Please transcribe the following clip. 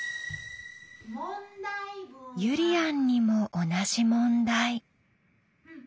ゆりやんにも同じ問題。